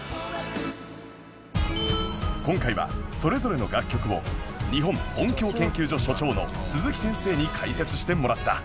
今回はそれぞれの楽曲を日本音響研究所所長の鈴木先生に解説してもらった